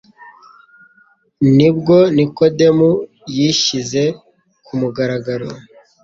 nibwo Nikodemo yishyize ku mugaragaro